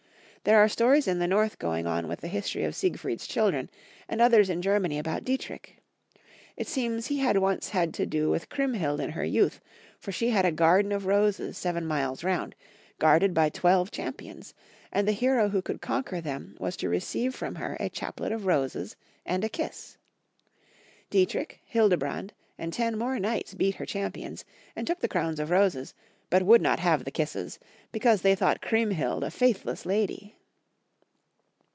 There are stories in the north going on with the history of Siegfried's cliildren, and others in Gennany about Dietrich. It seems he had once had to do Avith ChriemhUd in her youth, for she had a garden of 46 Young Folks^ History of Qermany. roses seven miles round, guarded by twelve cham pions, and the hero who could conquer them was to receive from her a chaplet of roses and a kiss. Dietrich, Hildebrand, and ten more knights beat her champions, and took the crowns of roses, but would not have the kisses, because they thought Chriemhild a faithless lady